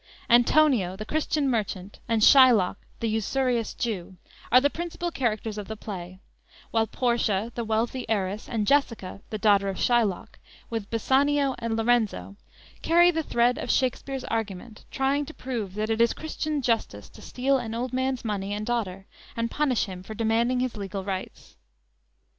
Antonio, the Christian merchant, and Shylock, the usurious Jew, are the principal characters of the play, while Portia, the wealthy heiress, and Jessica, the daughter of Shylock, with Bassanio and Lorenzo carry the thread of Shakspere's argument trying to prove that it is Christian justice to steal an old man's money and daughter, and punish him for demanding his legal rights!